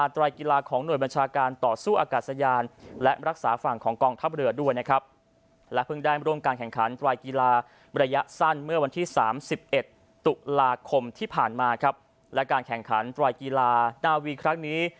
ตรวจกีฬานาวีครั้งนี้